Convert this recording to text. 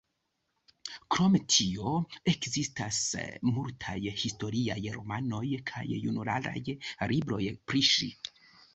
Krom tio ekzistas multaj historiaj romanoj kaj junularaj libroj pri ŝi.